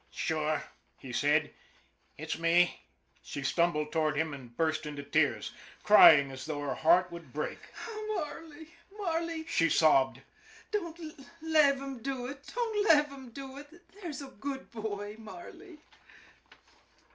" Sure," he said, " it's me." She stumbled toward him and burst into tears, cry * ing as though her heart would break. " Marley, Marley," she sobbed, " don't lave them do ut. Don't lave them do ut, there's a good bhoy, Mar ley."